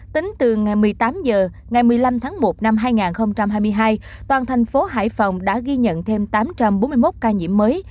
tính từ ngày một mươi tám h ngày một mươi năm tháng một năm hai nghìn hai mươi hai toàn thành phố hải phòng đã ghi nhận thêm tám trăm bốn mươi một ca nhiễm mới